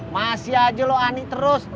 masih aja lo aneh terus